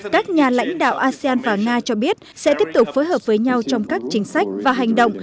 các nhà lãnh đạo asean và nga cho biết sẽ tiếp tục phối hợp với nhau trong các chính sách và hành động